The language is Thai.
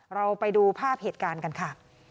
เราไปดูภาพเหตุการณ์กันค่ะ